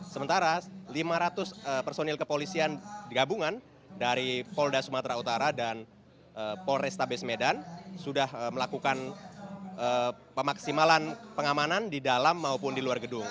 sementara lima ratus personil kepolisian gabungan dari polda sumatera utara dan polrestabes medan sudah melakukan pemaksimalan pengamanan di dalam maupun di luar gedung